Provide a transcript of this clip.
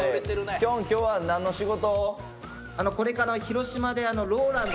きょん、きょうは何の仕事？